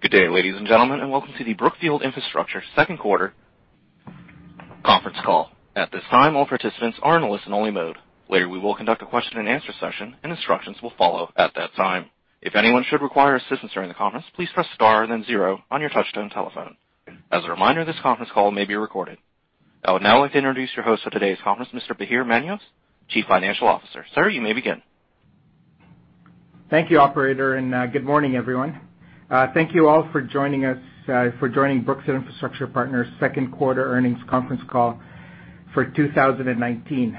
Good day, ladies and gentlemen, and welcome to the Brookfield Infrastructure second quarter conference call. At this time, all participants are in a listen-only mode. Later, we will conduct a question and answer session, and instructions will follow at that time. If anyone should require assistance during the conference, please press star then zero on your touch-tone telephone. As a reminder, this conference call may be recorded. I would now like to introduce your host for today's conference, Mr. Bahir Manios, Chief Financial Officer. Sir, you may begin. Thank you, operator. Good morning, everyone. Thank you all for joining us, for joining Brookfield Infrastructure Partners' second quarter earnings conference call for 2019.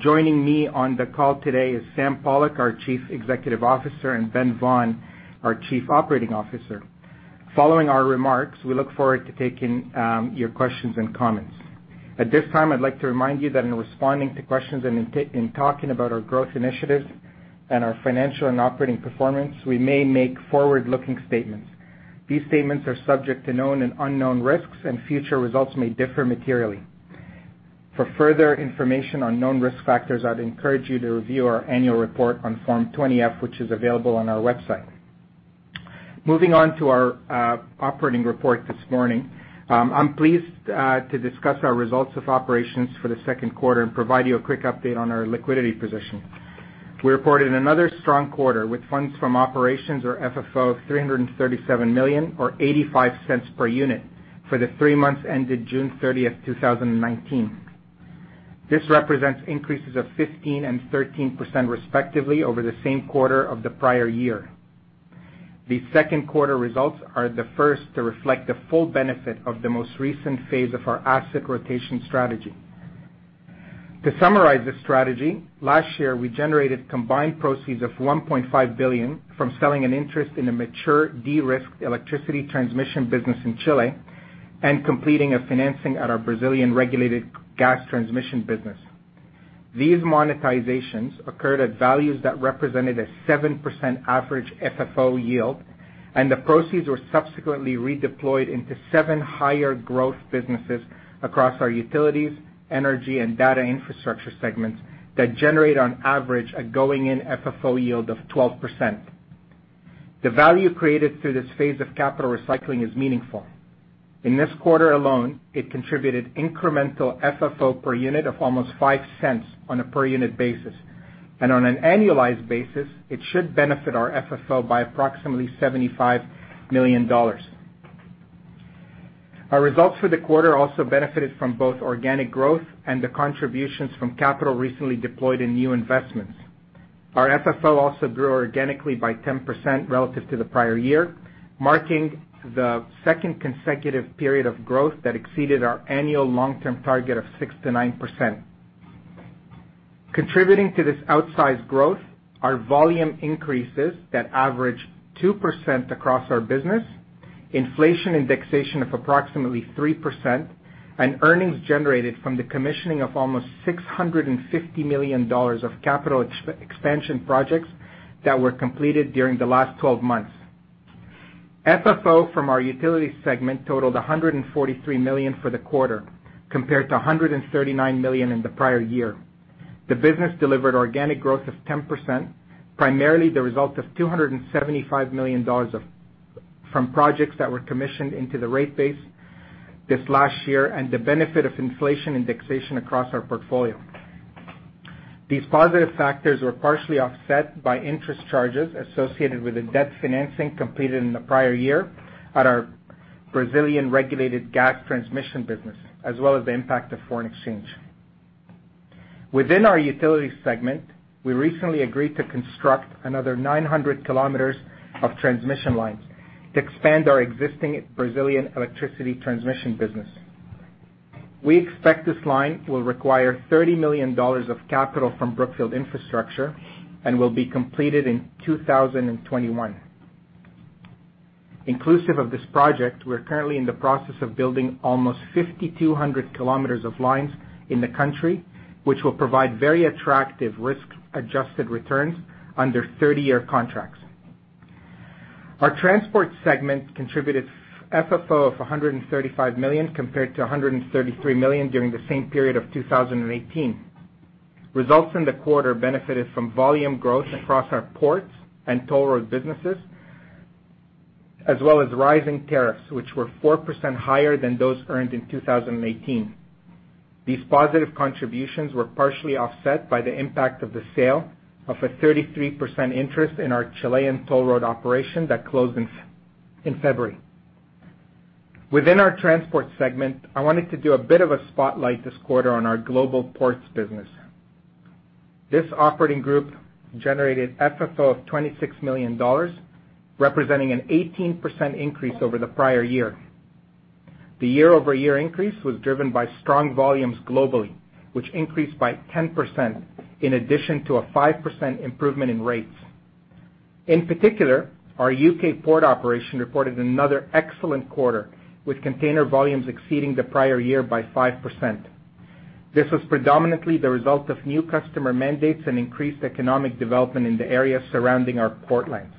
Joining me on the call today is Sam Pollock, our Chief Executive Officer, and Ben Vaughan, our Chief Operating Officer. Following our remarks, we look forward to taking your questions and comments. At this time, I'd like to remind you that in responding to questions and in talking about our growth initiatives and our financial and operating performance, we may make forward-looking statements. These statements are subject to known and unknown risks. Future results may differ materially. For further information on known risk factors, I'd encourage you to review our annual report on Form 20-F, which is available on our website. Moving on to our operating report this morning. I'm pleased to discuss our results of operations for the second quarter and provide you a quick update on our liquidity position. We reported another strong quarter with funds from operations or FFO of $337 million or $0.85 per unit for the three months ended June 30th, 2019. This represents increases of 15% and 13% respectively over the same quarter of the prior year. These second quarter results are the first to reflect the full benefit of the most recent phase of our asset rotation strategy. To summarize this strategy, last year, we generated combined proceeds of $1.5 billion from selling an interest in a mature de-risked electricity transmission business in Chile and completing a financing at our Brazilian regulated gas transmission business. These monetizations occurred at values that represented a 7% average FFO yield, and the proceeds were subsequently redeployed into seven higher growth businesses across our utilities, energy, and data infrastructure segments that generate on average a going-in FFO yield of 12%. The value created through this phase of capital recycling is meaningful. In this quarter alone, it contributed incremental FFO per unit of almost $0.05 on a per unit basis. On an annualized basis, it should benefit our FFO by approximately $75 million. Our results for the quarter also benefited from both organic growth and the contributions from capital recently deployed in new investments. Our FFO also grew organically by 10% relative to the prior year, marking the second consecutive period of growth that exceeded our annual long-term target of 6%-9%. Contributing to this outsized growth are volume increases that average 2% across our business, inflation indexation of approximately 3%, and earnings generated from the commissioning of almost $650 million of capital expansion projects that were completed during the last 12 months. FFO from our utility segment totaled $143 million for the quarter, compared to $139 million in the prior year. The business delivered organic growth of 10%, primarily the result of $275 million from projects that were commissioned into the rate base this last year and the benefit of inflation indexation across our portfolio. These positive factors were partially offset by interest charges associated with the debt financing completed in the prior year at our Brazilian regulated gas transmission business, as well as the impact of foreign exchange. Within our utility segment, we recently agreed to construct another 900 kilometers of transmission lines to expand our existing Brazilian electricity transmission business. We expect this line will require $30 million of capital from Brookfield Infrastructure and will be completed in 2021. Inclusive of this project, we're currently in the process of building almost 5,200 kilometers of lines in the country, which will provide very attractive risk-adjusted returns under 30-year contracts. Our transport segment contributed FFO of $135 million compared to $133 million during the same period of 2018. Results in the quarter benefited from volume growth across our ports and toll road businesses, as well as rising tariffs, which were 4% higher than those earned in 2018. These positive contributions were partially offset by the impact of the sale of a 33% interest in our Chilean toll road operation that closed in February. Within our transport segment, I wanted to do a bit of a spotlight this quarter on our global ports business. This operating group generated FFO of $26 million, representing an 18% increase over the prior year. The year-over-year increase was driven by strong volumes globally, which increased by 10% in addition to a 5% improvement in rates. In particular, our U.K. port operation reported another excellent quarter, with container volumes exceeding the prior year by 5%. This was predominantly the result of new customer mandates and increased economic development in the areas surrounding our port lanes.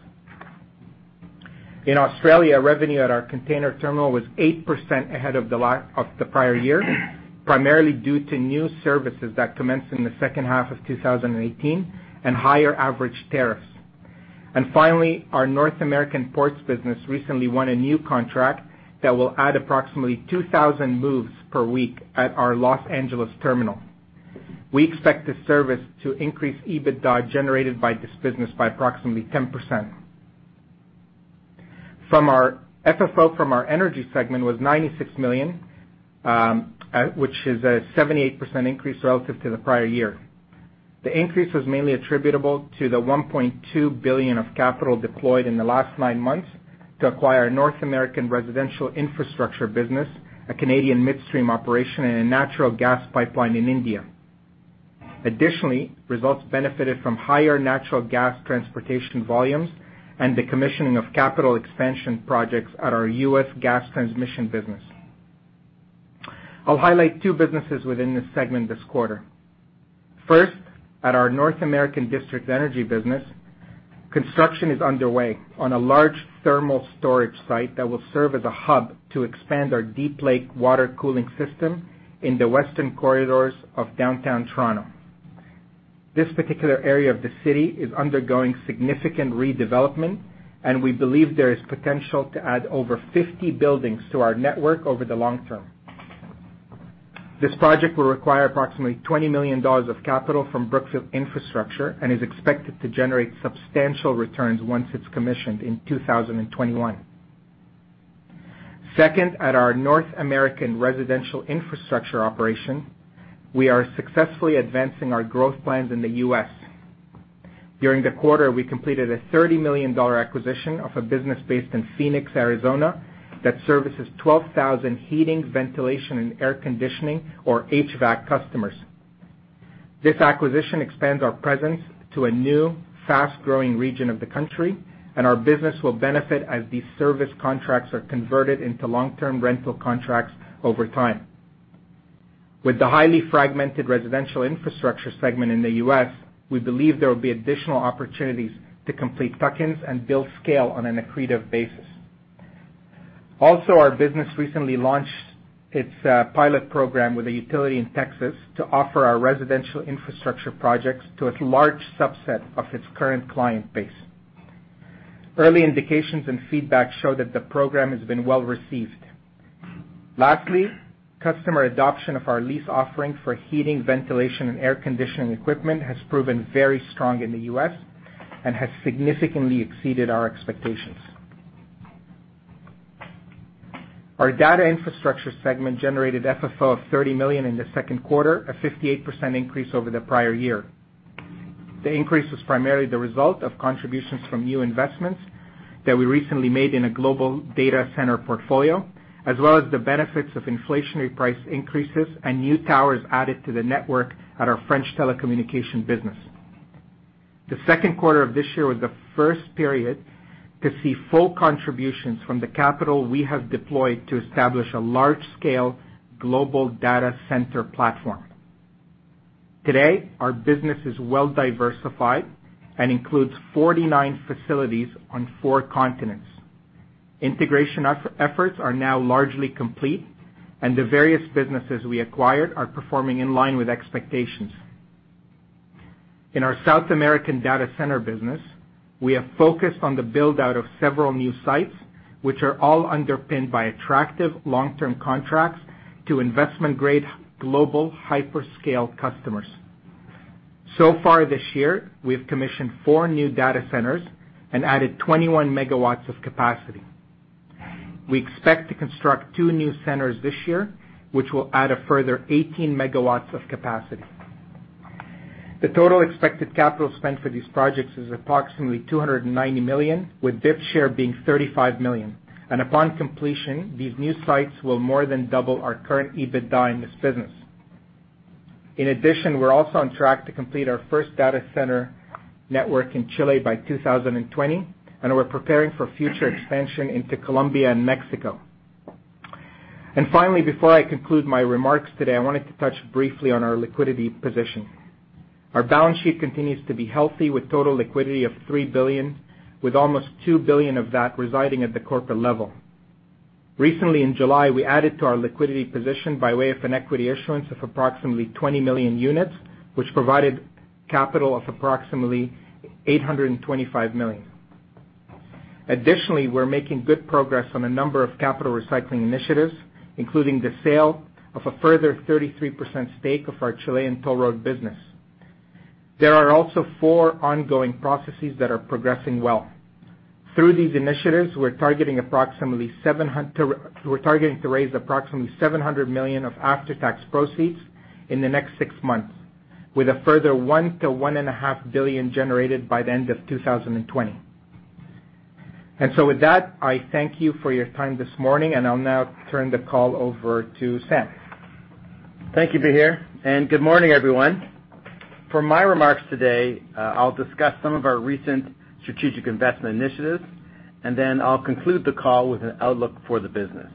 In Australia, revenue at our container terminal was 8% ahead of the prior year, primarily due to new services that commenced in the second half of 2018 and higher average tariffs. Finally, our North American ports business recently won a new contract that will add approximately 2,000 moves per week at our Los Angeles terminal. We expect this service to increase EBITDA generated by this business by approximately 10%. FFO from our energy segment was $96 million, which is a 78% increase relative to the prior year. The increase was mainly attributable to the $1.2 billion of capital deployed in the last nine months to acquire North American residential infrastructure business, a Canadian midstream operation, and a natural gas pipeline in India. Additionally, results benefited from higher natural gas transportation volumes and the commissioning of capital expansion projects at our U.S. gas transmission business. I'll highlight two businesses within this segment this quarter. First, at our North American district energy business, construction is underway on a large thermal storage site that will serve as a hub to expand our deep lake water cooling system in the western corridors of downtown Toronto. This particular area of the city is undergoing significant redevelopment, and we believe there is potential to add over 50 buildings to our network over the long term. This project will require approximately $20 million of capital from Brookfield Infrastructure and is expected to generate substantial returns once it's commissioned in 2021. Second, at our North American residential infrastructure operation, we are successfully advancing our growth plans in the U.S. During the quarter, we completed a $30 million acquisition of a business based in Phoenix, Arizona, that services 12,000 heating, ventilation, and air conditioning, or HVAC customers. This acquisition expands our presence to a new fast-growing region of the country, and our business will benefit as these service contracts are converted into long-term rental contracts over time. With the highly fragmented residential infrastructure segment in the U.S., we believe there will be additional opportunities to complete tuck-ins and build scale on an accretive basis. Also, our business recently launched its pilot program with a utility in Texas to offer our residential infrastructure projects to a large subset of its current client base. Early indications and feedback show that the program has been well received. Lastly, customer adoption of our lease offering for heating, ventilation, and air conditioning equipment has proven very strong in the U.S. and has significantly exceeded our expectations. Our data infrastructure segment generated FFO of $30 million in the second quarter, a 58% increase over the prior year. The increase was primarily the result of contributions from new investments that we recently made in a global data center portfolio, as well as the benefits of inflationary price increases and new towers added to the network at our French telecommunication business. The second quarter of this year was the first period to see full contributions from the capital we have deployed to establish a large-scale global data center platform. Today, our business is well diversified and includes 49 facilities on four continents. Integration efforts are now largely complete, and the various businesses we acquired are performing in line with expectations. In our South American data center business, we have focused on the build-out of several new sites, which are all underpinned by attractive long-term contracts to investment-grade global hyperscale customers. Far this year, we have commissioned four new data centers and added 21 megawatts of capacity. We expect to construct two new centers this year, which will add a further 18 MW of capacity. The total expected capital spend for these projects is approximately $290 million, with BIP's share being $35 million. Upon completion, these new sites will more than double our current EBITDA in this business. In addition, we are also on track to complete our first data center network in Chile by 2020. We are preparing for future expansion into Colombia and Mexico. Finally, before I conclude my remarks today, I wanted to touch briefly on our liquidity position. Our balance sheet continues to be healthy with total liquidity of $3 billion, with almost $2 billion of that residing at the corporate level. Recently, in July, we added to our liquidity position by way of an equity issuance of approximately 20 million units, which provided capital of approximately $825 million. Additionally, we're making good progress on a number of capital recycling initiatives, including the sale of a further 33% stake of our Chilean toll road business. There are also four ongoing processes that are progressing well. Through these initiatives, we're targeting to raise approximately $700 million of after-tax proceeds in the next six months, with a further $1 billion-$1.5 billion generated by the end of 2020. With that, I thank you for your time this morning, and I'll now turn the call over to Sam. Thank you, Bahir. Good morning, everyone. For my remarks today, I'll discuss some of our recent strategic investment initiatives. I'll conclude the call with an outlook for the business.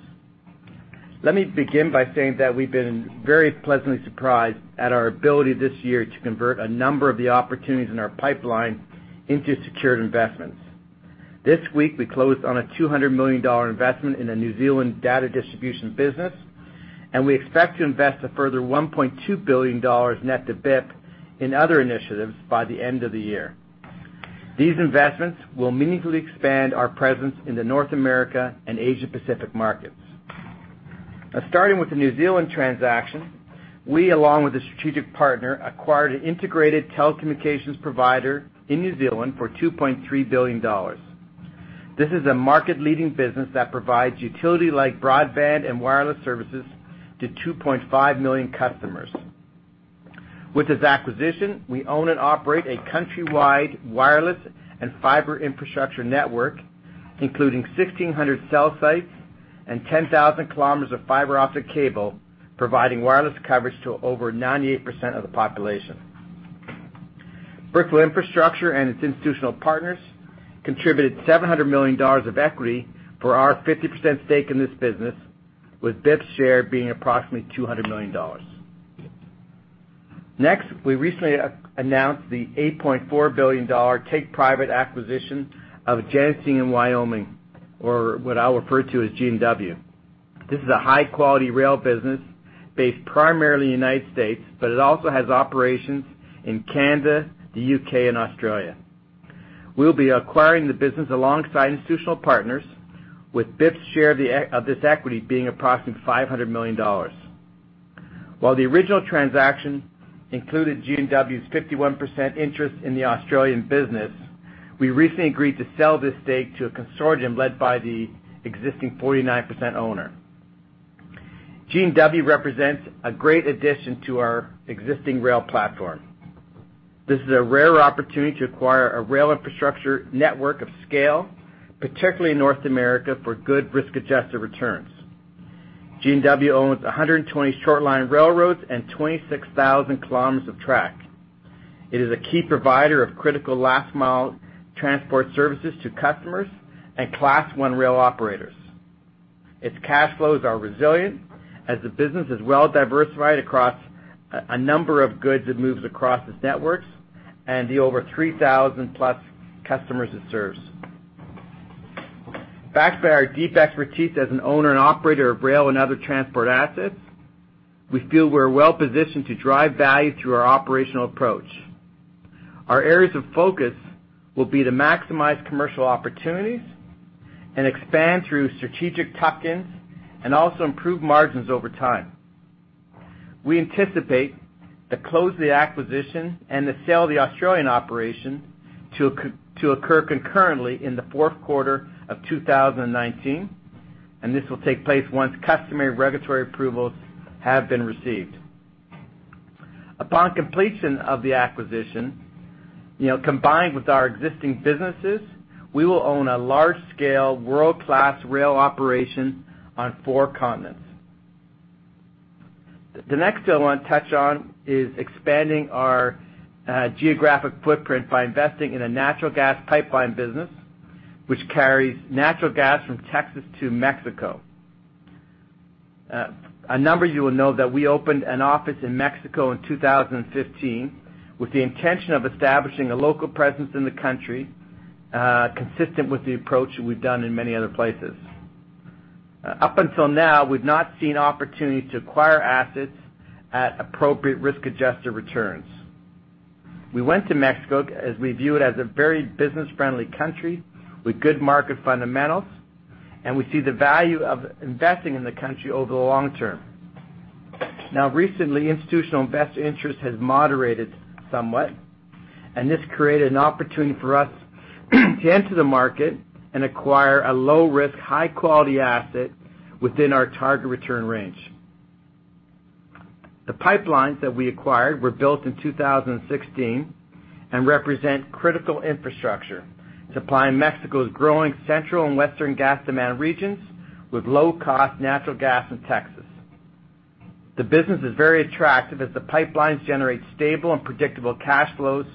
Let me begin by saying that we've been very pleasantly surprised at our ability this year to convert a number of the opportunities in our pipeline into secured investments. This week, we closed on a $200 million investment in a New Zealand data distribution business. We expect to invest a further $1.2 billion net to BIP in other initiatives by the end of the year. These investments will meaningfully expand our presence in the North America and Asia-Pacific markets. Starting with the New Zealand transaction, we, along with a strategic partner, acquired an integrated telecommunications provider in New Zealand for $2.3 billion. This is a market-leading business that provides utility like broadband and wireless services to 2.5 million customers. With this acquisition, we own and operate a country-wide wireless and fiber infrastructure network, including 1,600 cell sites and 10,000 kilometers of fiber optic cable, providing wireless coverage to over 98% of the population. Brookfield Infrastructure and its institutional partners contributed $700 million of equity for our 50% stake in this business, with BIP's share being approximately $200 million. Next, we recently announced the $8.4 billion take-private acquisition of Genesee & Wyoming, or what I'll refer to as G&W. This is a high-quality rail business based primarily in the United States, but it also has operations in Canada, the UK, and Australia. We'll be acquiring the business alongside institutional partners, with BIP's share of this equity being approximately $500 million. While the original transaction included G&W's 51% interest in the Australian business, we recently agreed to sell this stake to a consortium led by the existing 49% owner. G&W represents a great addition to our existing rail platform. This is a rare opportunity to acquire a rail infrastructure network of scale, particularly in North America, for good risk-adjusted returns. G&W owns 120 short-line railroads and 26,000 kilometers of track. It is a key provider of critical last-mile transport services to customers and Class I rail operators. Its cash flows are resilient, as the business is well diversified across a number of goods it moves across its networks and the over 3,000-plus customers it serves. Backed by our deep expertise as an owner and operator of rail and other transport assets, we feel we're well-positioned to drive value through our operational approach. Our areas of focus will be to maximize commercial opportunities and expand through strategic tuck-ins, and also improve margins over time. We anticipate to close the acquisition and the sale of the Australian operation to occur concurrently in the fourth quarter of 2019, and this will take place once customary regulatory approvals have been received. Upon completion of the acquisition, combined with our existing businesses, we will own a large-scale, world-class rail operation on four continents. The next deal I want to touch on is expanding our geographic footprint by investing in a natural gas pipeline business, which carries natural gas from Texas to Mexico. A number of you will know that we opened an office in Mexico in 2015 with the intention of establishing a local presence in the country, consistent with the approach that we've done in many other places. Up until now, we've not seen opportunities to acquire assets at appropriate risk-adjusted returns. We went to Mexico, as we view it as a very business-friendly country with good market fundamentals, and we see the value of investing in the country over the long term. Recently, institutional investor interest has moderated somewhat, and this created an opportunity for us to enter the market and acquire a low-risk, high-quality asset within our target return range. The pipelines that we acquired were built in 2016 and represent critical infrastructure, supplying Mexico's growing central and western gas demand regions with low-cost natural gas in Texas. The business is very attractive as the pipelines generate stable and predictable cash flows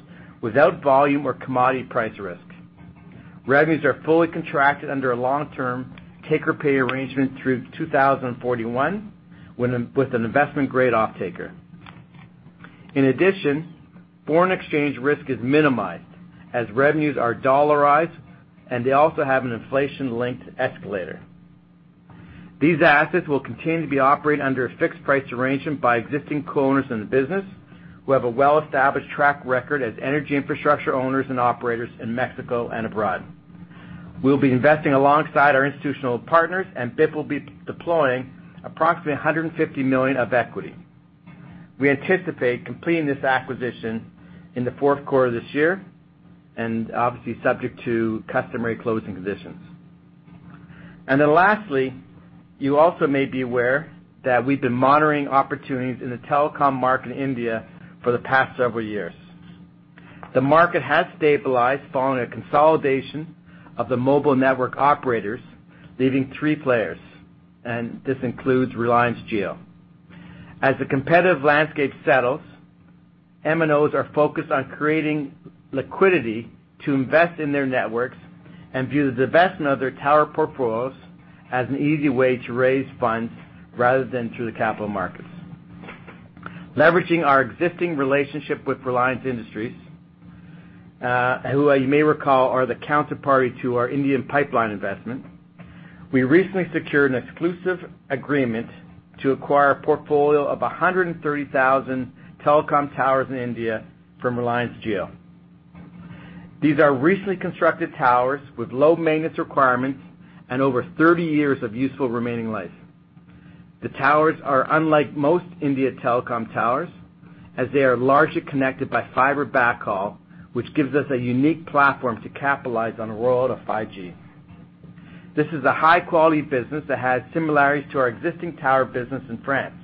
without volume or commodity price risk. Revenues are fully contracted under a long-term take-or-pay arrangement through 2041 with an investment-grade offtaker. In addition, foreign exchange risk is minimized, as revenues are dollarized, and they also have an inflation-linked escalator. These assets will continue to be operated under a fixed price arrangement by existing co-owners in the business who have a well-established track record as energy infrastructure owners and operators in Mexico and abroad. We'll be investing alongside our institutional partners. BIP will be deploying approximately $150 million of equity. We anticipate completing this acquisition in the fourth quarter of this year, obviously subject to customary closing conditions. Lastly, you also may be aware that we've been monitoring opportunities in the telecom market in India for the past several years. The market has stabilized following a consolidation of the mobile network operators, leaving three players. This includes Reliance Jio. As the competitive landscape settles, MNOs are focused on creating liquidity to invest in their networks and view the divestment of their tower portfolios as an easy way to raise funds rather than through the capital markets. Leveraging our existing relationship with Reliance Industries, who you may recall are the counterparty to our Indian pipeline investment. We recently secured an exclusive agreement to acquire a portfolio of 130,000 telecom towers in India from Reliance Jio. These are recently constructed towers with low maintenance requirements and over 30 years of useful remaining life. The towers are unlike most India telecom towers, as they are largely connected by fiber backhaul, which gives us a unique platform to capitalize on the world of 5G. This is a high-quality business that has similarities to our existing tower business in France.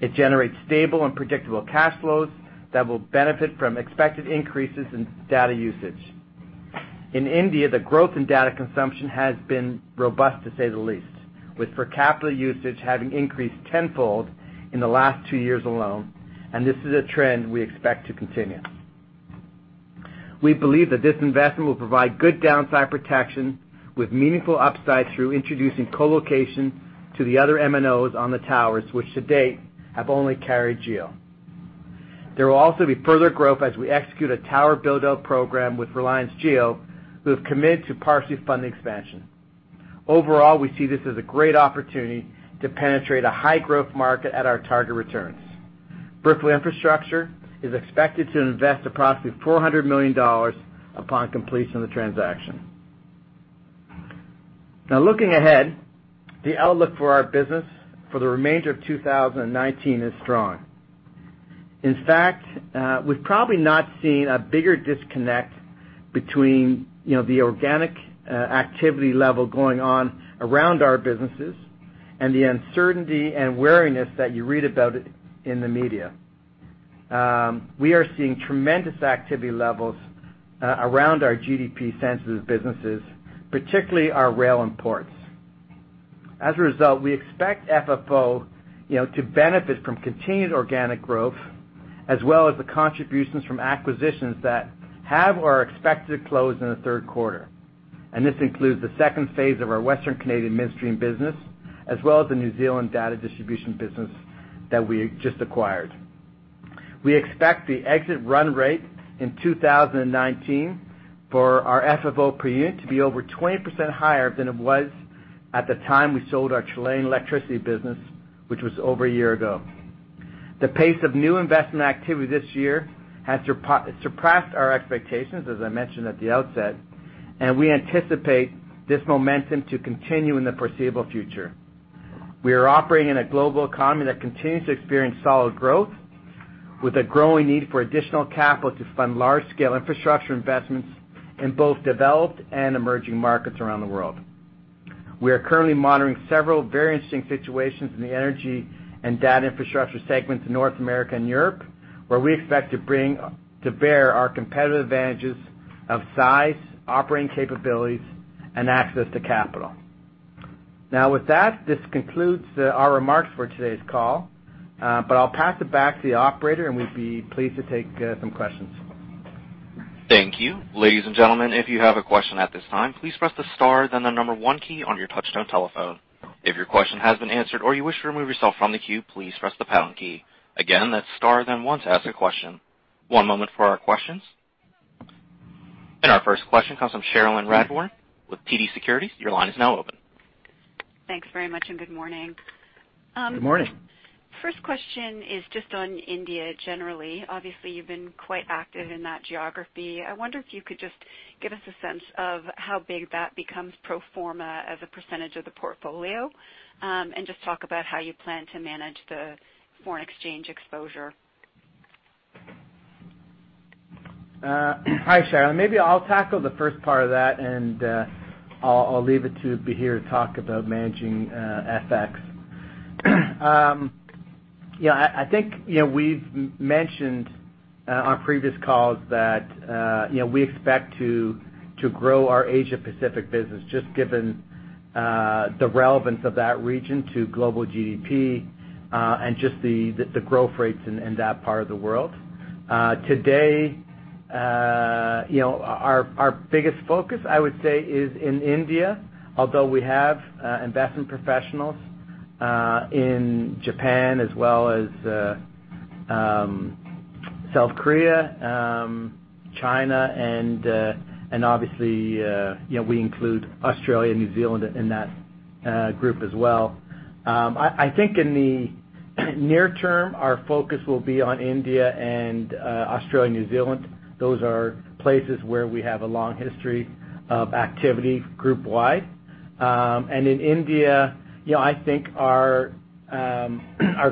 It generates stable and predictable cash flows that will benefit from expected increases in data usage. In India, the growth in data consumption has been robust, to say the least, with per capita usage having increased 10-fold in the last two years alone. This is a trend we expect to continue. We believe that this investment will provide good downside protection with meaningful upside through introducing co-location to the other MNOs on the towers, which to date have only carried Jio. There will also be further growth as we execute a tower build-out program with Reliance Jio, who have committed to partially fund the expansion. Overall, we see this as a great opportunity to penetrate a high-growth market at our target returns. Brookfield Infrastructure is expected to invest approximately $400 million upon completion of the transaction. Looking ahead, the outlook for our business for the remainder of 2019 is strong. In fact, we've probably not seen a bigger disconnect between the organic activity level going on around our businesses and the uncertainty and wariness that you read about in the media. We are seeing tremendous activity levels around our GDP-sensitive businesses, particularly our rail and ports. As a result, we expect FFO to benefit from continued organic growth, as well as the contributions from acquisitions that have or are expected to close in the third quarter. This includes the second phase of our Western Canadian midstream business, as well as the New Zealand data distribution business that we just acquired. We expect the exit run rate in 2019 for our FFO per unit to be over 20% higher than it was at the time we sold our Chilean electricity business, which was over a year ago. The pace of new investment activity this year has surpassed our expectations, as I mentioned at the outset, and we anticipate this momentum to continue in the foreseeable future. We are operating in a global economy that continues to experience solid growth, with a growing need for additional capital to fund large-scale infrastructure investments in both developed and emerging markets around the world. We are currently monitoring several very interesting situations in the energy and data infrastructure segments in North America and Europe, where we expect to bring to bear our competitive advantages of size, operating capabilities, and access to capital. Now, with that, this concludes our remarks for today's call. I'll pass it back to the operator, and we'd be pleased to take some questions. Thank you. Ladies and gentlemen, if you have a question at this time, please press the star then the number one key on your touchtone telephone. If your question has been answered or you wish to remove yourself from the queue, please press the pound key. Again, that's star then one to ask a question. One moment for our questions. Our first question comes from Cherilyn Radbourne with TD Securities. Your line is now open. Thanks very much, and good morning. Good morning. First question is just on India generally. Obviously, you've been quite active in that geography. I wonder if you could just give us a sense of how big that becomes pro forma as a percentage of the portfolio, and just talk about how you plan to manage the foreign exchange exposure. Hi, Cherilyn. Maybe I'll tackle the first part of that, and I'll leave it to Bahir to talk about managing FX. I think we've mentioned on previous calls that we expect to grow our Asia Pacific business, just given the relevance of that region to global GDP and just the growth rates in that part of the world. Today, our biggest focus, I would say, is in India, although we have investment professionals in Japan as well as South Korea, China, and obviously we include Australia and New Zealand in that group as well. I think in the near term, our focus will be on India and Australia and New Zealand. Those are places where we have a long history of activity group wide. In India, I think our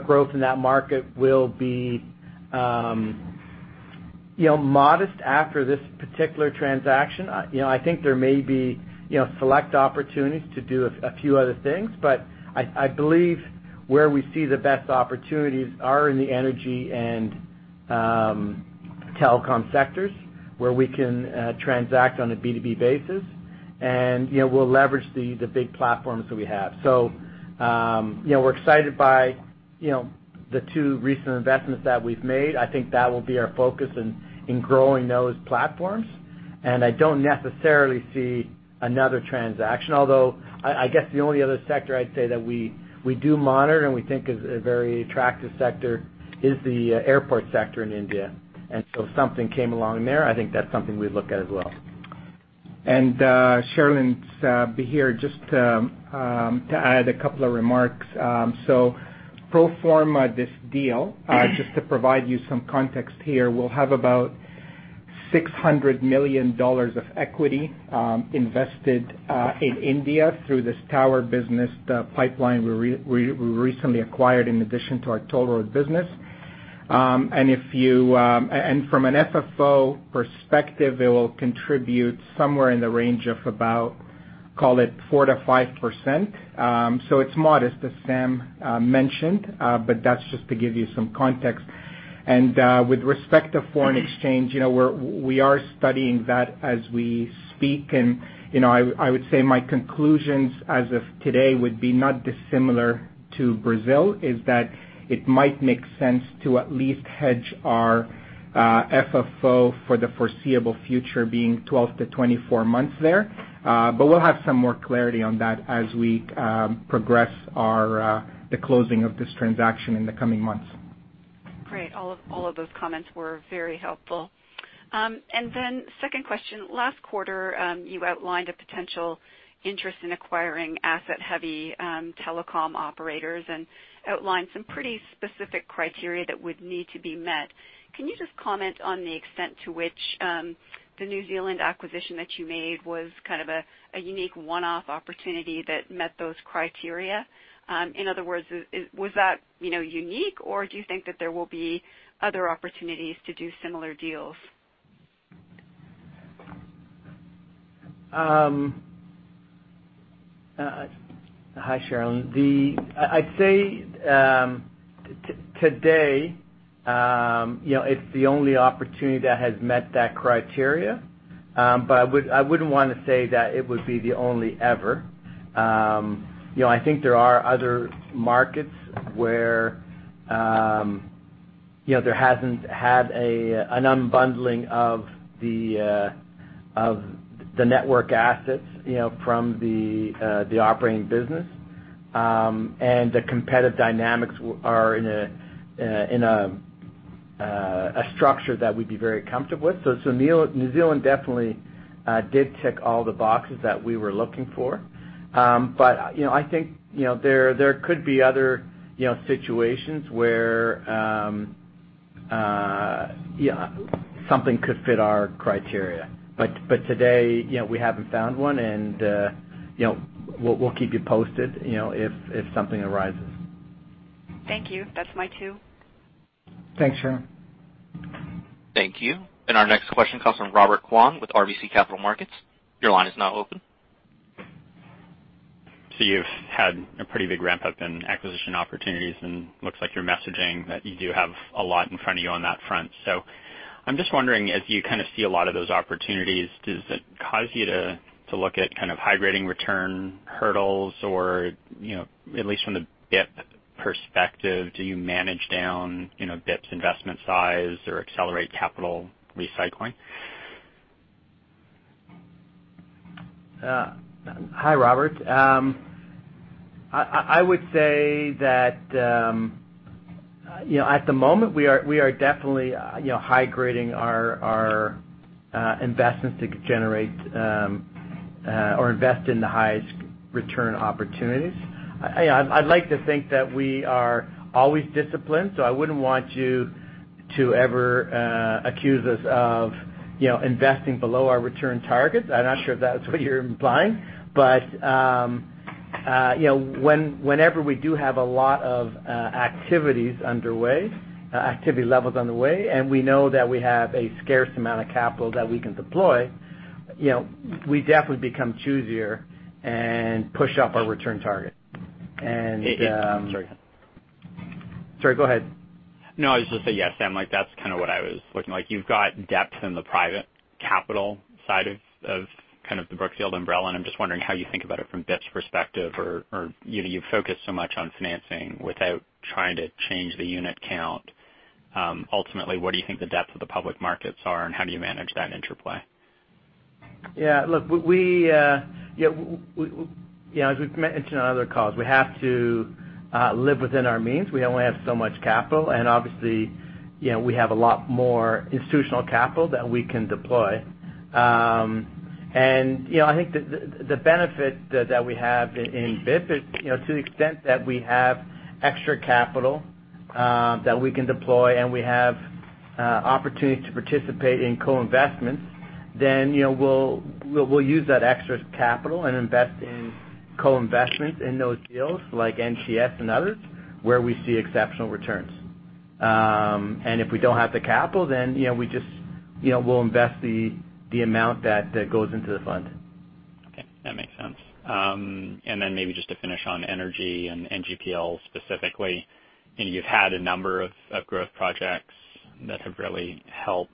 growth in that market will be modest after this particular transaction. I think there may be select opportunities to do a few other things, but I believe where we see the best opportunities are in the energy and telecom sectors, where we can transact on a B2B basis, and we'll leverage the big platforms that we have. We're excited by the two recent investments that we've made. I think that will be our focus in growing those platforms. I don't necessarily see another transaction, although I guess the only other sector I'd say that we do monitor and we think is a very attractive sector is the airport sector in India. If something came along there, I think that's something we'd look at as well. Cherilyn, it's Bahir, just to add a couple of remarks. Pro forma this deal, just to provide you some context here, we'll have about $600 million of equity invested in India through this tower business pipeline we recently acquired in addition to our toll road business. From an FFO perspective, it will contribute somewhere in the range of about, call it 4% to 5%. It's modest, as Sam mentioned, but that's just to give you some context. With respect to foreign exchange, we are studying that as we speak, and I would say my conclusions as of today would be not dissimilar to Brazil, is that it might make sense to at least hedge our FFO for the foreseeable future being 12 to 24 months there. We'll have some more clarity on that as we progress the closing of this transaction in the coming months. Great. All of those comments were very helpful. Then second question. Last quarter, you outlined a potential interest in acquiring asset-heavy telecom operators and outlined some pretty specific criteria that would need to be met. Can you just comment on the extent to which the New Zealand acquisition that you made was kind of a unique one-off opportunity that met those criteria? In other words, was that unique, or do you think that there will be other opportunities to do similar deals? Hi, Cherilyn. I'd say today, it's the only opportunity that has met that criteria. I wouldn't want to say that it would be the only ever. I think there are other markets where there hasn't had an unbundling of the network assets from the operating business. The competitive dynamics are in a structure that we'd be very comfortable with. New Zealand definitely did tick all the boxes that we were looking for. I think there could be other situations where something could fit our criteria. Today, we haven't found one, and we'll keep you posted if something arises. Thank you. That's my two. Thanks, Cherilyn. Thank you. Our next question comes from Robert Kwan with RBC Capital Markets. Your line is now open. You've had a pretty big ramp-up in acquisition opportunities, and looks like you're messaging that you do have a lot in front of you on that front. I'm just wondering, as you kind of see a lot of those opportunities, does it cause you to look at kind of high-grading return hurdles or, at least from the BIP perspective, do you manage down BIP's investment size or accelerate capital recycling? Hi, Robert. I would say that at the moment, we are definitely high-grading our investments to invest in the highest return opportunities. I'd like to think that we are always disciplined. I wouldn't want you to ever accuse us of investing below our return targets. I'm not sure if that's what you're implying. Whenever we do have a lot of activity levels underway, and we know that we have a scarce amount of capital that we can deploy, we definitely become choosier and push up our return target. Sorry. Sorry, go ahead. No, I was just say, yes, Sam, that's kind of what I was looking. You've got depth in the private capital side of kind of the Brookfield umbrella. I'm just wondering how you think about it from BIP's perspective. You've focused so much on financing without trying to change the unit count. Ultimately, what do you think the depth of the public markets are? How do you manage that interplay? Yeah. As we've mentioned on other calls, we have to live within our means. We only have so much capital, and obviously, we have a lot more institutional capital that we can deploy. I think the benefit that we have in BIP is to the extent that we have extra capital that we can deploy and we have opportunities to participate in co-investments, then we'll use that extra capital and invest in co-investments in those deals, like NGPL and others, where we see exceptional returns. If we don't have the capital, then we'll invest the amount that goes into the fund. Okay. That makes sense. Maybe just to finish on energy and NGPL specifically, you've had a number of growth projects that have really helped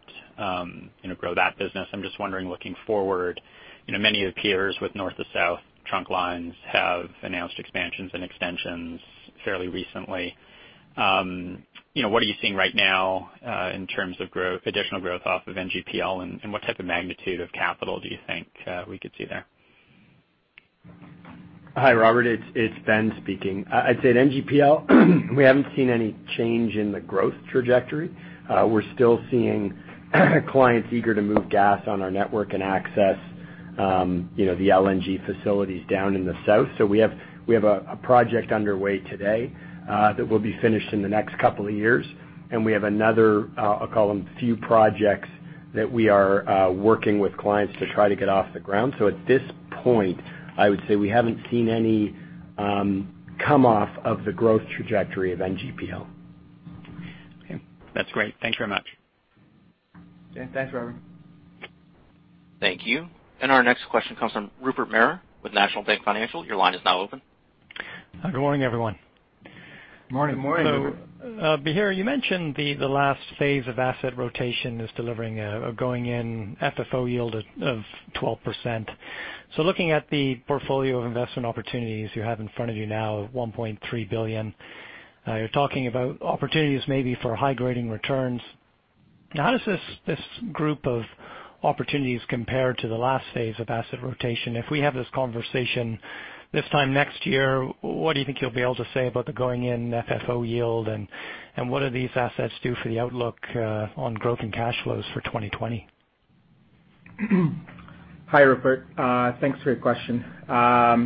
grow that business. I'm just wondering, looking forward, many of the peers with north to south trunk lines have announced expansions and extensions fairly recently. What are you seeing right now in terms of additional growth off of NGPL and what type of magnitude of capital do you think we could see there? Hi, Robert. It's Ben speaking. I'd say at NGPL, we haven't seen any change in the growth trajectory. We're still seeing clients eager to move gas on our network and access the LNG facilities down in the south. We have a project underway today that will be finished in the next couple of years, and we have another, I'll call them few projects that we are working with clients to try to get off the ground. At this point, I would say we haven't seen any come off of the growth trajectory of NGPL. Okay. That's great. Thanks very much. Yeah. Thanks, Robert. Thank you. Our next question comes from Rupert Merer with National Bank Financial. Your line is now open. Good morning, everyone. Morning. Morning. Bahir, you mentioned the last phase of asset rotation is delivering a going in FFO yield of 12%. Looking at the portfolio of investment opportunities you have in front of you now of $1.3 billion, you're talking about opportunities maybe for high-grading returns. How does this group of opportunities compare to the last phase of asset rotation? If we have this conversation this time next year, what do you think you'll be able to say about the going-in FFO yield and what do these assets do for the outlook on growth and cash flows for 2020? Hi, Rupert. Thanks for your question. As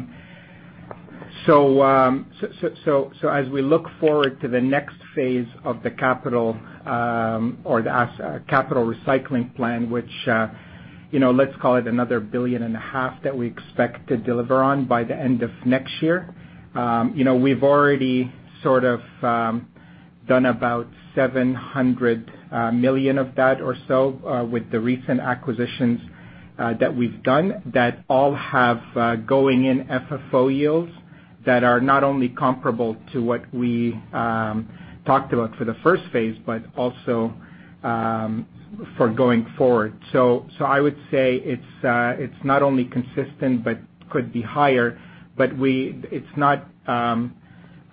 we look forward to the next phase of the capital or the capital recycling plan, which, let's call it another $1.5 billion that we expect to deliver on by the end of next year. We've already sort of done about $700 million of that or so with the recent acquisitions that we've done that all have going in FFO yields that are not only comparable to what we talked about for the first phase, but also for going forward. I would say it's not only consistent, but could be higher, but it's not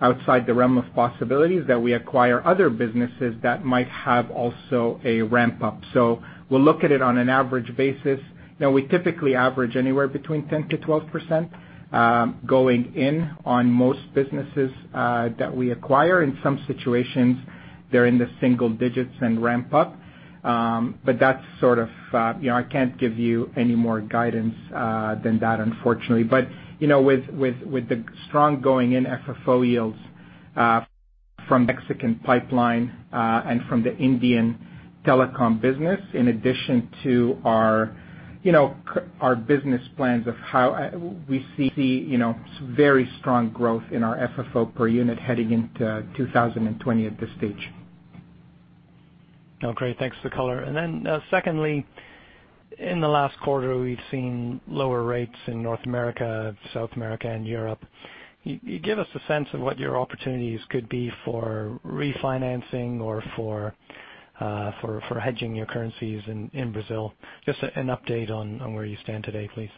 outside the realm of possibilities that we acquire other businesses that might have also a ramp-up. We'll look at it on an average basis. We typically average anywhere between 10%-12% going in on most businesses that we acquire. In some situations, they're in the single digits and ramp up. I can't give you any more guidance than that, unfortunately, with the strong going-in FFO yields from Mexican pipeline and from the Indian telecom business, in addition to our business plans of how we see some very strong growth in our FFO per unit heading into 2020 at this stage. Oh, great. Thanks for the color. Secondly, in the last quarter, we've seen lower rates in North America, South America, and Europe. Can you give us a sense of what your opportunities could be for refinancing or for hedging your currencies in Brazil? Just an update on where you stand today, please.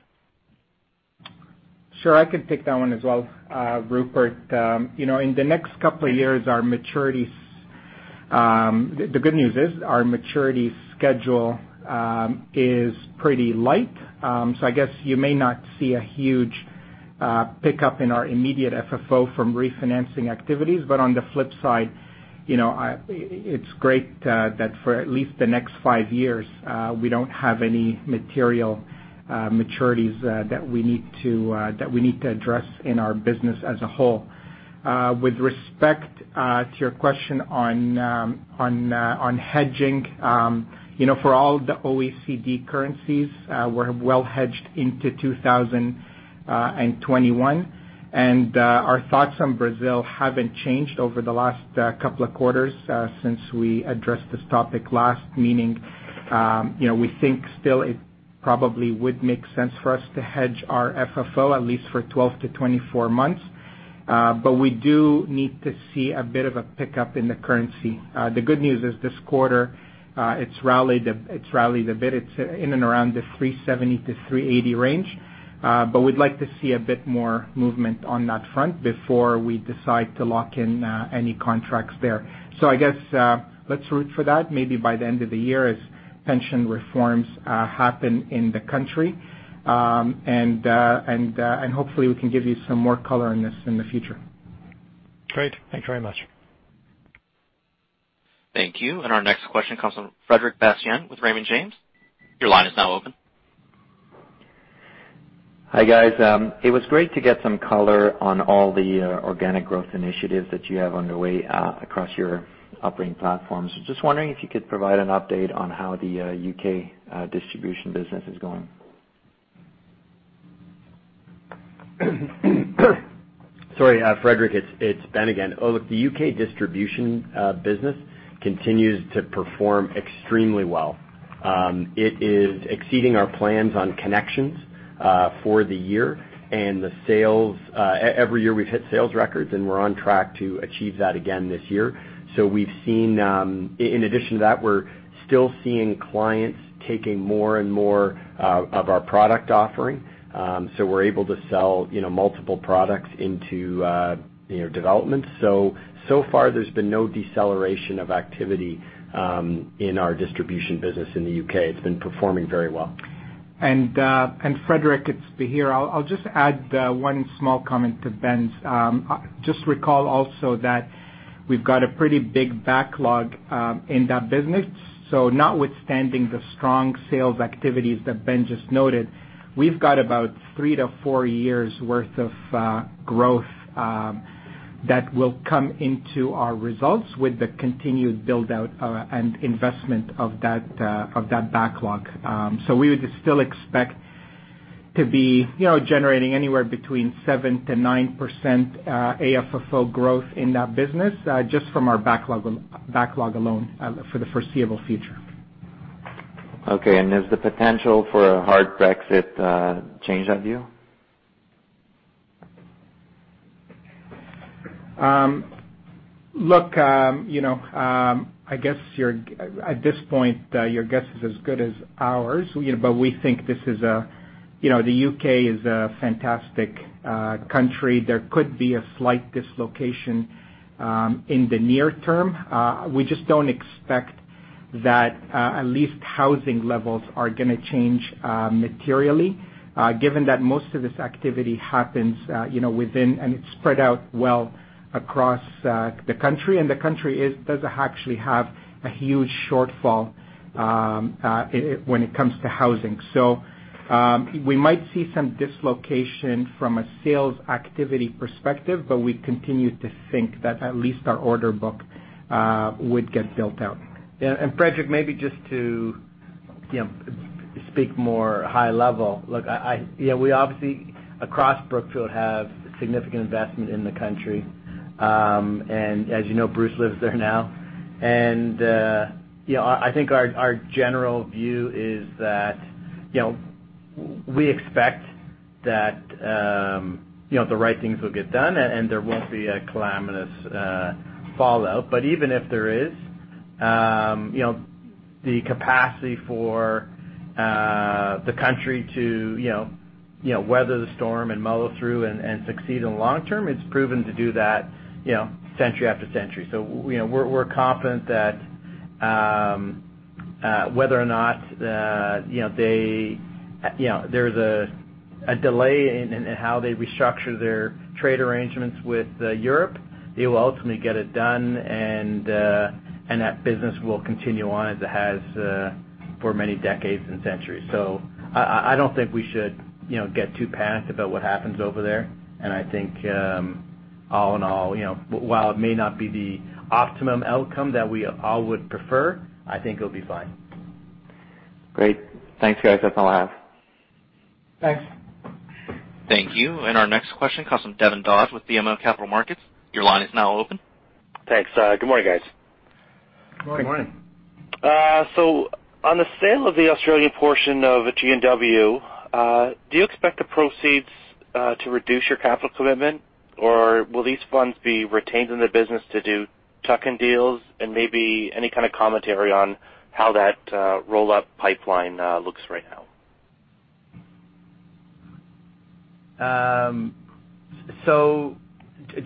Sure. I can take that one as well, Rupert. In the next couple of years, the good news is our maturity schedule is pretty light. I guess you may not see a huge pickup in our immediate FFO from refinancing activities. On the flip side, it's great that for at least the next five years we don't have any material maturities that we need to address in our business as a whole. With respect to your question on hedging. For all the OECD currencies, we're well hedged into 2021. Our thoughts on Brazil haven't changed over the last couple of quarters since we addressed this topic last, meaning, we think still it probably would make sense for us to hedge our FFO at least for 12 to 24 months. We do need to see a bit of a pickup in the currency. The good news is this quarter it's rallied a bit. It's in and around the 370 to 380 range. We'd like to see a bit more movement on that front before we decide to lock in any contracts there. I guess, let's root for that maybe by the end of the year as pension reforms happen in the country. Hopefully we can give you some more color on this in the future. Great. Thanks very much. Thank you. Our next question comes from Frederic Bastien with Raymond James. Your line is now open. Hi, guys. It was great to get some color on all the organic growth initiatives that you have underway across your operating platforms. Just wondering if you could provide an update on how the U.K. distribution business is going? Sorry Frederic, it's Ben again. Oh, look, the U.K. distribution business continues to perform extremely well. It is exceeding our plans on connections for the year and every year we've hit sales records, and we're on track to achieve that again this year. We've seen, in addition to that, we're still seeing clients taking more and more of our product offering. We're able to sell multiple products into developments. So far there's been no deceleration of activity in our distribution business in the U.K. It's been performing very well. Frederic, it's Bahir. I'll just add one small comment to Ben's. Just recall also that we've got a pretty big backlog in that business. Notwithstanding the strong sales activities that Ben just noted, we've got about three to four years' worth of growth that will come into our results with the continued build-out and investment of that backlog. We would still expect to be generating anywhere between 7%-9% AFFO growth in that business, just from our backlog alone for the foreseeable future. Okay. Does the potential for a hard Brexit change that view? Look, I guess at this point, your guess is as good as ours. We think the U.K. is a fantastic country. There could be a slight dislocation in the near term. We just don't expect that at least housing levels are going to change materially given that most of this activity happens within, and it's spread out well across the country, and the country doesn't actually have a huge shortfall when it comes to housing. We might see some dislocation from a sales activity perspective, but we continue to think that at least our order book would get built out. Frederic, maybe just to speak more high level. Look, we obviously, across Brookfield, have significant investment in the country. As you know, Bruce lives there now. I think our general view is that we expect that the right things will get done and there won't be a calamitous fallout. Even if there is, the capacity for the country to weather the storm and muddle through and succeed in the long term, it's proven to do that century after century. We're confident that whether or not there's a delay in how they restructure their trade arrangements with Europe, they will ultimately get it done and that business will continue on as it has for many decades and centuries. I don't think we should get too panicked about what happens over there. I think all in all, while it may not be the optimum outcome that we all would prefer, I think it'll be fine. Great. Thanks, guys. That's all I have. Thanks. Thank you. Our next question comes from Devin Dodge with BMO Capital Markets. Your line is now open. Thanks. Good morning, guys. Good morning. Good morning. On the sale of the Australian portion of G&W, do you expect the proceeds to reduce your capital commitment or will these funds be retained in the business to do tuck-in deals and maybe any kind of commentary on how that roll-up pipeline looks right now?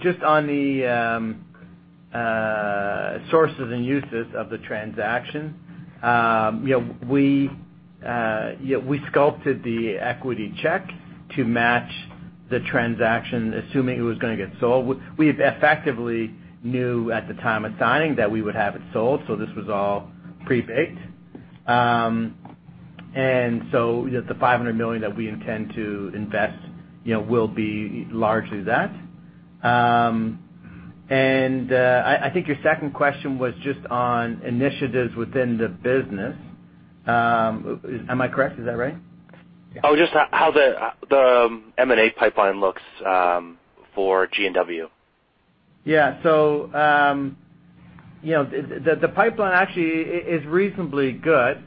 Just on the sources and uses of the transaction. We sculpted the equity check to match the transaction, assuming it was going to get sold. We effectively knew at the time of signing that we would have it sold, so this was all pre-baked. The $500 million that we intend to invest will be largely that. I think your second question was just on initiatives within the business. Am I correct? Is that right? Oh, just how the M&A pipeline looks for G&W. The pipeline actually is reasonably good.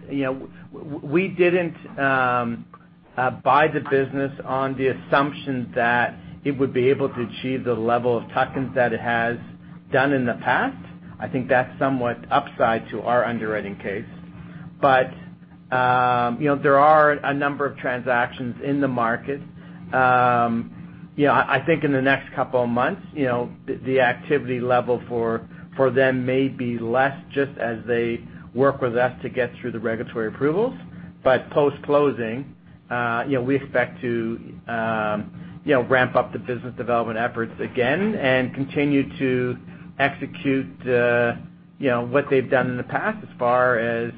We didn't buy the business on the assumption that it would be able to achieve the level of tuck-ins that it has done in the past. I think that's somewhat upside to our underwriting case. There are a number of transactions in the market. I think in the next couple of months, the activity level for them may be less just as they work with us to get through the regulatory approvals. Post-closing, we expect to ramp up the business development efforts again and continue to execute what they've done in the past as far as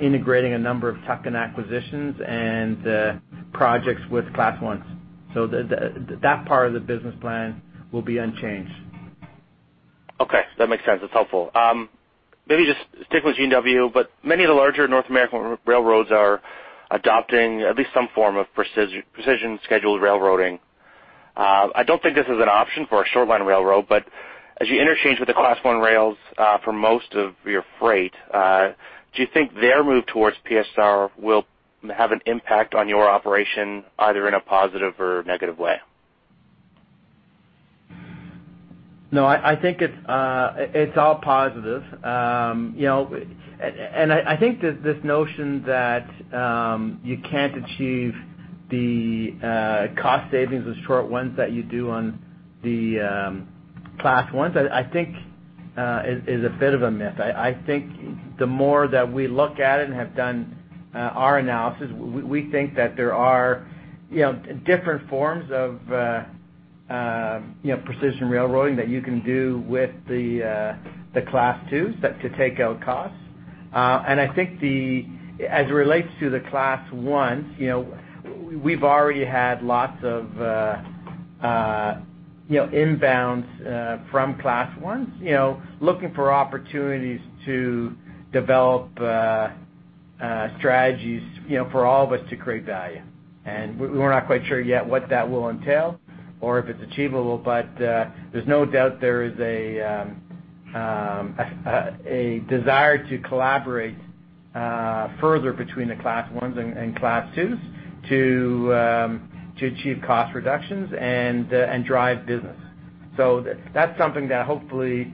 integrating a number of tuck-in acquisitions and projects with Class Is. That part of the business plan will be unchanged. Okay. That makes sense. That's helpful. Maybe just stick with G&W, many of the larger North American railroads are adopting at least some form of precision scheduled railroading. I don't think this is an option for a short line railroad, as you interchange with the Class I rails for most of your freight do you think their move towards PSR will have an impact on your operation either in a positive or negative way? No, I think it's all positive. I think this notion that you can't achieve the cost savings with short lines that you do on the Class Is, I think is a bit of a myth. I think the more that we look at it and have done our analysis, we think that there are different forms of precision scheduled railroading that you can do with the Class IIs to take out costs. I think as it relates to the Class Is, we've already had lots of inbounds from Class Is looking for opportunities to develop strategies for all of us to create value. We're not quite sure yet what that will entail or if it's achievable, but there's no doubt there is a desire to collaborate further between the Class Is and Class IIs to achieve cost reductions and drive business. That's something that hopefully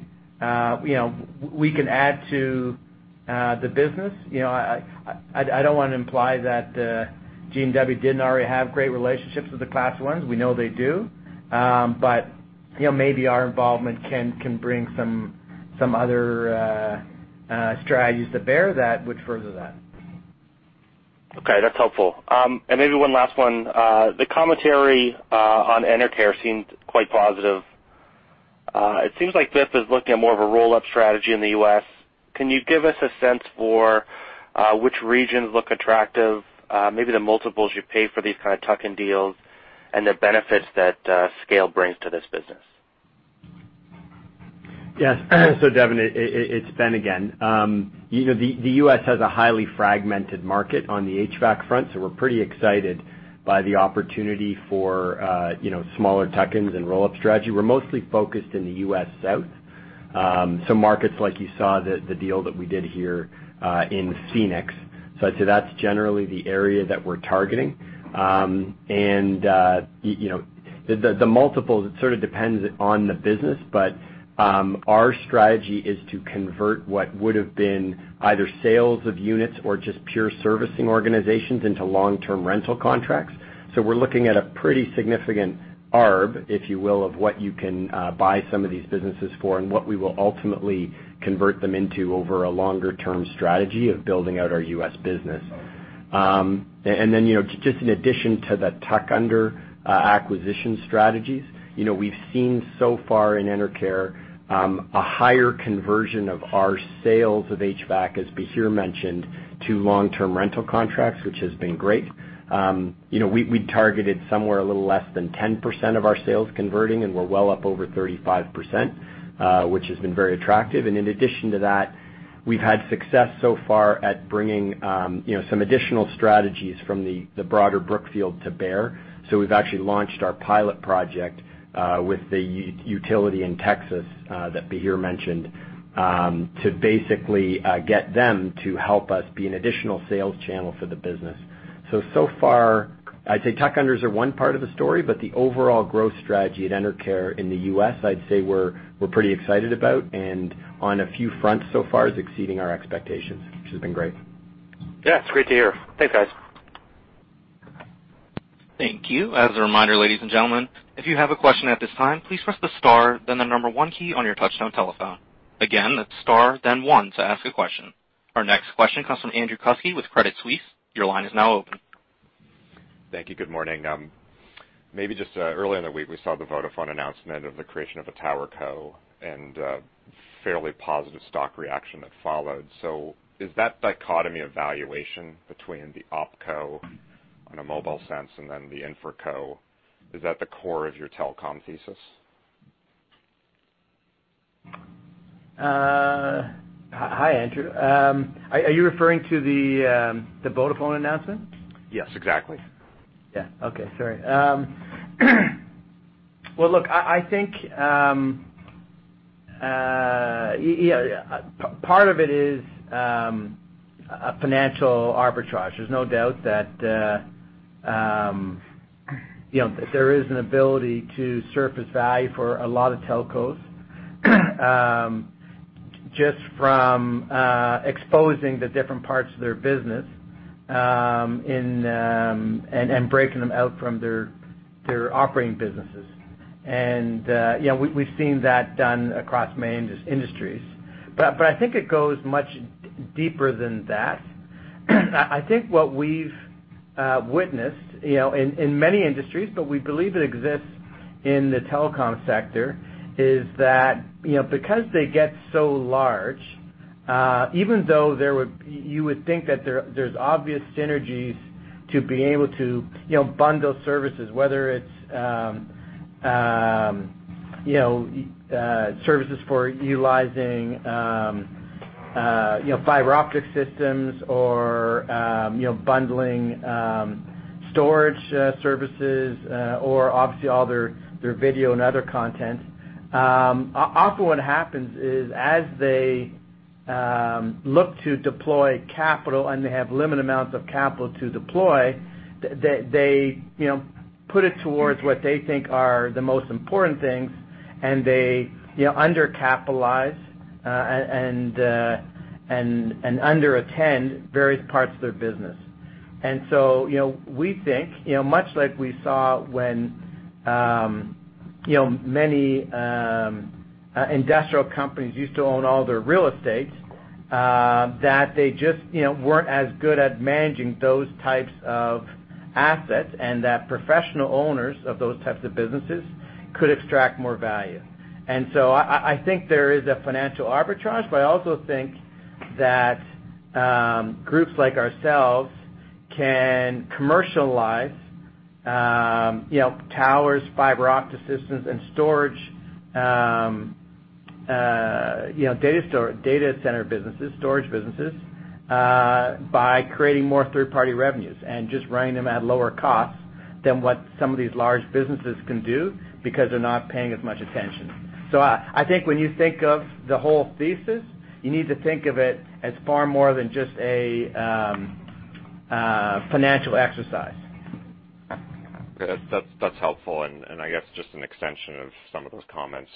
we can add to the business. I don't want to imply that G&W didn't already have great relationships with the Class Is. We know they do. Maybe our involvement can bring some other strategies to bear that would further that. Okay, that's helpful. Maybe one last one. The commentary on Enercare seemed quite positive. It seems like this is looking at more of a roll-up strategy in the U.S. Can you give us a sense for which regions look attractive? Maybe the multiples you pay for these kind of tuck-in deals and the benefits that scale brings to this business. Yes. Devin, it's Ben again. The U.S. has a highly fragmented market on the HVAC front, so we're pretty excited by the opportunity for smaller tuck-ins and roll-up strategy. We're mostly focused in the U.S. South. Markets like you saw, the deal that we did here in Phoenix. I'd say that's generally the area that we're targeting. The multiples, it sort of depends on the business, but our strategy is to convert what would've been either sales of units or just pure servicing organizations into long-term rental contracts. We're looking at a pretty significant arb, if you will, of what you can buy some of these businesses for and what we will ultimately convert them into over a longer-term strategy of building out our U.S. business. Just in addition to the tuck-under acquisition strategies, we've seen so far in Enercare, a higher conversion of our sales of HVAC, as Bahir mentioned, to long-term rental contracts, which has been great. We targeted somewhere a little less than 10% of our sales converting, we're well up over 35%, which has been very attractive. In addition to that, we've had success so far at bringing some additional strategies from the broader Brookfield to bear. We've actually launched our pilot project with the utility in Texas that Bahir mentioned, to basically get them to help us be an additional sales channel for the business. So far, I'd say tuck-unders are one part of the story, but the overall growth strategy at Enercare in the U.S., I'd say we're pretty excited about, and on a few fronts so far is exceeding our expectations, which has been great. Yeah, it's great to hear. Thanks, guys. Thank you. As a reminder, ladies and gentlemen, if you have a question at this time, please press the star then the number 1 key on your touch-tone telephone. Again, that's star then 1 to ask a question. Our next question comes from Andrew Kuske with Credit Suisse. Your line is now open. Thank you. Good morning. Maybe just earlier in the week, we saw the Vodafone announcement of the creation of a tower co and fairly positive stock reaction that followed. Is that dichotomy evaluation between the op co on a mobile sense and then the infra co, is that the core of your telecom thesis? Hi, Andrew. Are you referring to the Vodafone announcement? Yes, exactly. Yeah. Okay, sorry. Well, look, I think part of it is a financial arbitrage. There's no doubt that there is an ability to surface value for a lot of telcos just from exposing the different parts of their business and breaking them out from their operating businesses. We've seen that done across many industries. I think it goes much deeper than that. I think what we've witnessed in many industries, but we believe it exists in the telecom sector, is that because they get so large, even though you would think that there's obvious synergies to be able to bundle services, whether it's services for utilizing fiber optic systems or bundling storage services or obviously all their video and other content. Often what happens is as they look to deploy capital and they have limited amounts of capital to deploy, they put it towards what they think are the most important things, and they under-capitalize and under-attend various parts of their business. We think, much like we saw when many industrial companies used to own all their real estate, that they just weren't as good at managing those types of assets, and that professional owners of those types of businesses could extract more value. I think there is a financial arbitrage, but I also think that groups like ourselves can commercialize towers, fiber optic systems, and data center businesses, storage businesses, by creating more third-party revenues and just running them at lower costs than what some of these large businesses can do, because they're not paying as much attention. I think when you think of the whole thesis, you need to think of it as far more than just a financial exercise. Okay. That's helpful. I guess just an extension of some of those comments.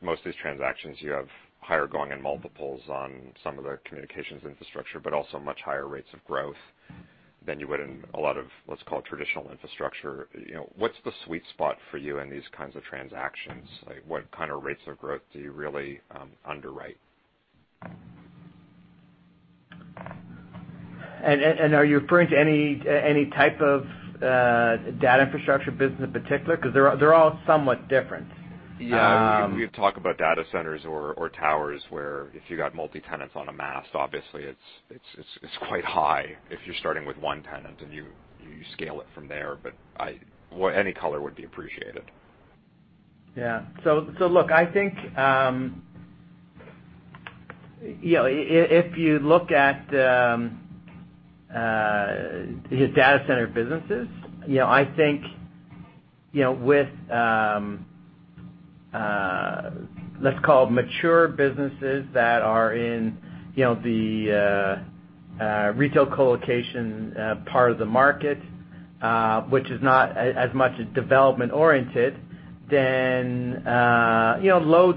Most of these transactions, you have higher going-in multiples on some of the communications infrastructure, but also much higher rates of growth than you would in a lot of, let's call it traditional infrastructure. What's the sweet spot for you in these kinds of transactions? What kind of rates of growth do you really underwrite? Are you referring to any type of data infrastructure business in particular? Because they're all somewhat different. Yeah. We could talk about data centers or towers, where if you got multi-tenants on a mast, obviously it's quite high if you're starting with one tenant and you scale it from there. Any color would be appreciated. Yeah. look, I think if you look at the data center businesses, I think with, let's call it mature businesses that are in the retail colocation part of the market, which is not as much as development-oriented, then low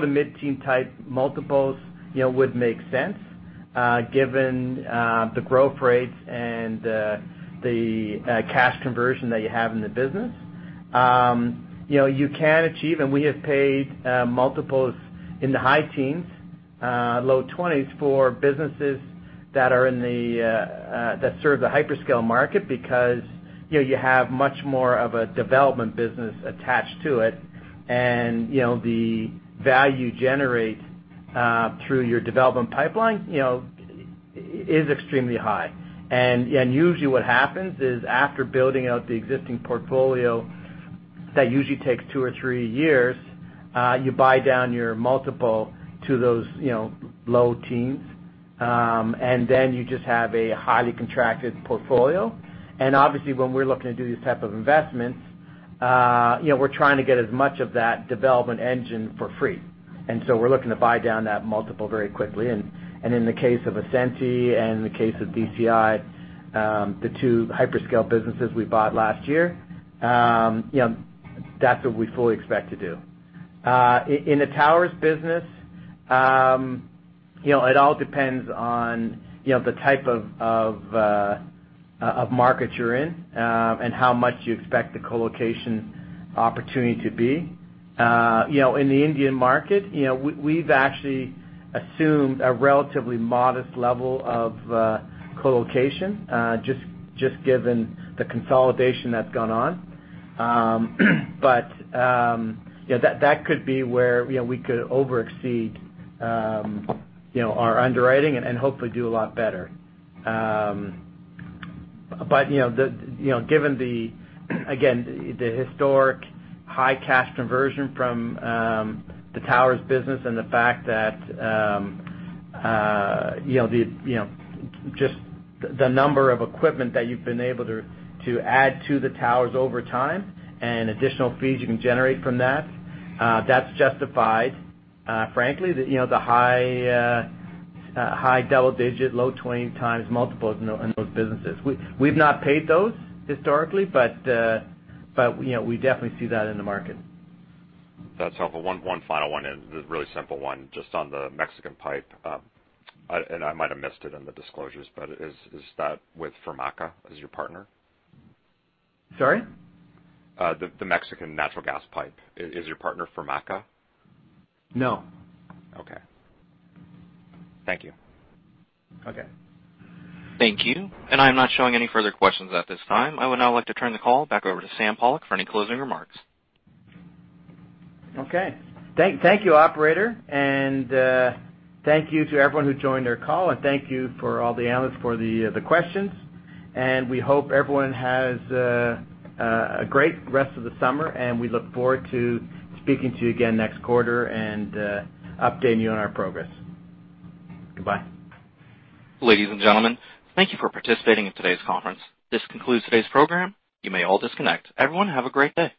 to mid-teen type multiples would make sense, given the growth rates and the cash conversion that you have in the business. You can achieve, and we have paid multiples in the high teens, low 20s for businesses that serve the hyperscale market because you have much more of a development business attached to it. The value generate through your development pipeline is extremely high. Usually what happens is after building out the existing portfolio, that usually takes two or three years, you buy down your multiple to those low teens, and then you just have a highly contracted portfolio. Obviously, when we're looking to do these type of investments, we're trying to get as much of that development engine for free. We're looking to buy down that multiple very quickly. In the case of Ascenty and in the case of DCI, the two hyperscale businesses we bought last year, that's what we fully expect to do. In the towers business, it all depends on the type of market you're in, and how much you expect the colocation opportunity to be. In the Indian market, we've actually assumed a relatively modest level of colocation, just given the consolidation that's gone on. That could be where we could over-exceed our underwriting and hopefully do a lot better. Given, again, the historic high cash conversion from the towers business and the fact that just the number of equipment that you've been able to add to the towers over time and additional fees you can generate from that's justified, frankly, the high double digit, low 20x multiples in those businesses. We've not paid those historically, but we definitely see that in the market. That's helpful. One final one, a really simple one, just on the Mexican pipe. I might have missed it in the disclosures, but is that with Fermaca as your partner? Sorry? The Mexican natural gas pipe. Is your partner Fermaca? No. Okay. Thank you. Okay. Thank you. I'm not showing any further questions at this time. I would now like to turn the call back over to Sam Pollock for any closing remarks. Okay. Thank you, Operator. Thank you to everyone who joined our call. Thank you for all the analysts for the questions. We hope everyone has a great rest of the summer, and we look forward to speaking to you again next quarter and updating you on our progress. Goodbye. Ladies and gentlemen, thank you for participating in today's conference. This concludes today's program. You may all disconnect. Everyone, have a great day.